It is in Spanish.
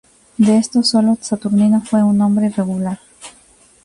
De estos, sólo Saturnino fue un nombre regular.